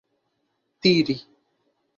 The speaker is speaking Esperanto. tiri